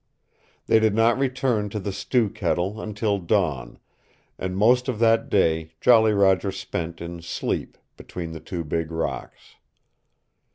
They did not return to the Stew Kettle until dawn, and most of that day Jolly Roger spent in sleep between the two big rocks.